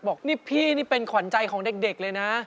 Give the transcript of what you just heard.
บอกนี่พี่นี่เป็นขวัญใจของเด็กเลยนะ